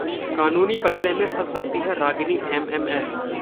कानूनी पचड़े में फंस सकती है ‘रागिनी एमएमएस’